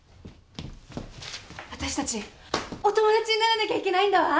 私たちお友達にならなきゃいけないんだわ！